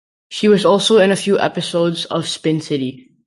She also was in a few episodes of "Spin City".